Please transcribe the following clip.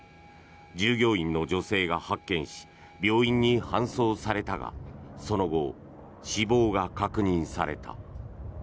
従業員の女性が発見し病院に搬送されたがその後、死亡が確認された。